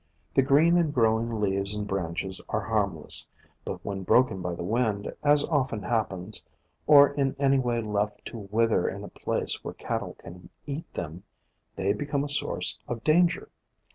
The green and growing leaves and branches are harmless, but when broken by the wind, as often happens, or in any way left to wither in a place where cattle can eat them, they become a source of danger.